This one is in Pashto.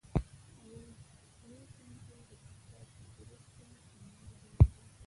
ويې ښکنځه د تکرار په صورت کې يې په مرګ وګواښه.